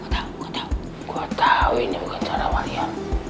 gue tau gue tau gue tau ini bukan cara wario